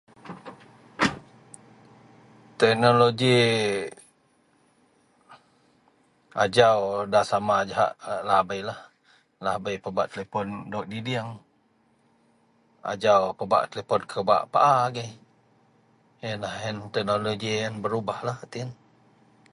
Teknologi ajau nda sama jahak lahabei. Lahabei pebak telepon dawek didieng ajau pebak telepon pebak paa ageilah. Yenlah yen teknologi berubah lah reti yau